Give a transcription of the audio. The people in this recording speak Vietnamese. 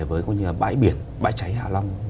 với bãi biển bãi cháy hạ long